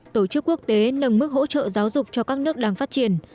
tổ chức quốc tế nâng mức hỗ trợ giáo dục cho các nước đang phát triển